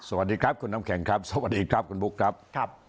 สวัสดีครับคุณน้ำแข็งครับสวัสดีครับคุณบุ๊คครับ